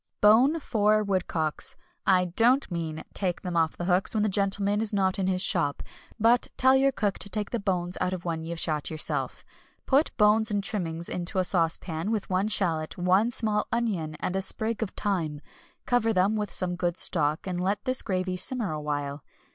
Bone four woodcocks I don't mean take them off the hooks when the gentleman is not in his shop, but tell your cook to take the bones out of one you've shot yourself put bones and trimmings into a saucepan with one shallot, one small onion, and a sprig of thyme, cover them with some good stock, and let this gravy simmer awhile.